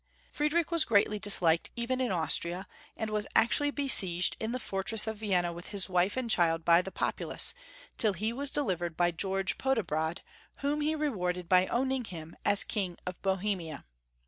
Friedrich was greatly disliked even in Austria, and was actually besieged in the fortress of Vienna with his wife and child by the populace, till he was delivered by George Podiebrad, whom he rewarded by owning him as King of Bohemia.